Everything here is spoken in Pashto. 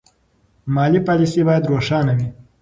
مالي پالیسي باید روښانه وي.